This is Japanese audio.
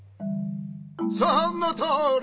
・そのとおり！